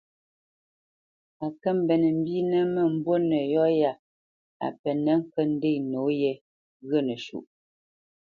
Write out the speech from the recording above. A kə mbenə mbínə mə́mbû nə yɔ ya a penə ŋkə ndenə nǒye ghyə̂ nəsuʼ.